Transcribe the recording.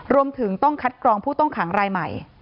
รวมถึงต้องคัดกรองผู้ต้องขังรายใหม่